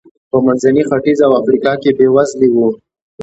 په منځني ختیځ او افریقا کې بېوزلي و.